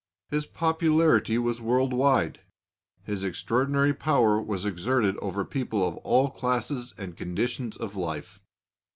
His popularity was world wide; his extraordinary power was exerted over people of all classes and conditions of life.